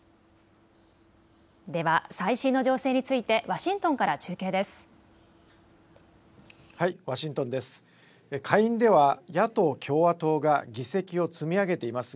では最新の情勢についてワシントンから中継です。